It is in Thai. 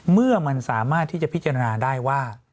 เมื่อมันสามารถที่จะพิจารณาได้ว่า